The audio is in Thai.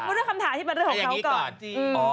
ปรับมูลคำถามที่มันเรื่องของเขาก่อน